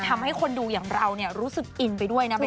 ทำให้คนดูอย่างเราเนี่ยรู้สึกอินไปด้วยนะไม่ต้อง